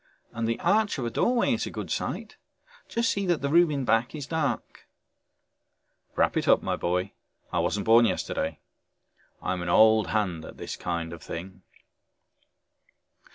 "And the arch of a doorway is a good site, just see that the room in back is dark." "Wrap it up, my boy, I wasn't born yesterday. I'm an old hand at this kind of thing."